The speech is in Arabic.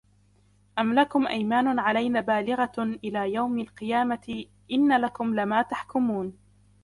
أَمْ لَكُمْ أَيْمَانٌ عَلَيْنَا بَالِغَةٌ إِلَى يَوْمِ الْقِيَامَةِ إِنَّ لَكُمْ لَمَا تَحْكُمُونَ